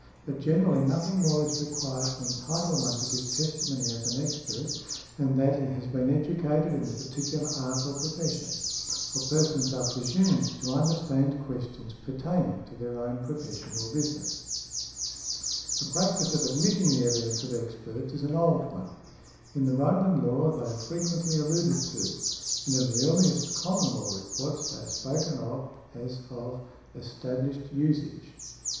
But generally nothing more is required to entitle one to give testimony as an expert, than that he has been educated in the particular art or profession; for persons are presumed to understand questions pertaining to their own profession or business . The practice of admitting the evidence of experts is an old one: in the Roman Law they are frequently alluded to, and in the earliest Common Law reports they are spoken of as of established usage.